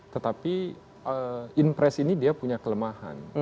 tetapi impress ini dia punya kelemahan